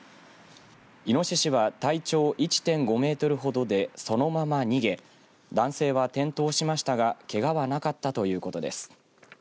いのししは体長１．５メートルほどでそのまま逃げ男性は転倒しましたがけがはなかったということです。